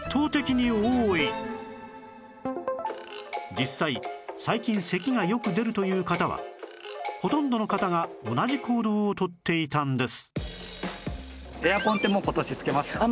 実際最近咳がよく出るという方はほとんどの方が同じ行動をとっていたんです